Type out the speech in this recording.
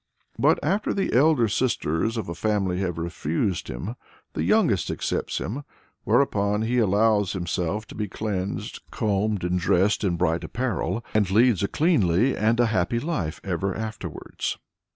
But after the elder sisters of a family have refused him, the youngest accepts him; whereupon he allows himself to be cleansed, combed, and dressed in bright apparel, and leads a cleanly and a happy life ever afterwards.